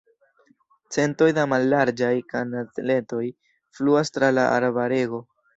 Centoj da mallarĝaj kanaletoj fluas tra la arbarego.